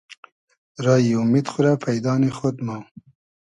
رایی اومید خو رۂ پݷدا نی خۉد مۉ